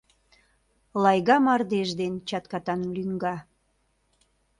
Лайга мардеж ден чаткатан лӱҥга.